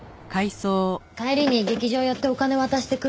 帰りに劇場寄ってお金渡してくる。